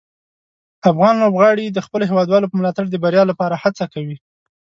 افغان لوبغاړي د خپلو هیوادوالو په ملاتړ د بریا لپاره هڅه کوي.